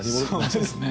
そうですね。